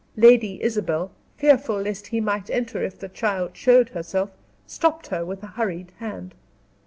Lady Isabel, fearful lest he might enter if the child showed herself, stopped her with a hurried hand.